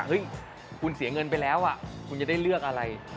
คุณเสียเงินไปแล้วคุณจะได้เลือกอะไร